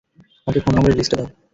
আমাকে ফোন নম্বরের লিস্টটা দাও।